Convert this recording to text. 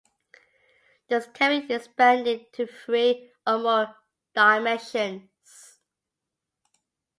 This can be expanded to three or more dimensions.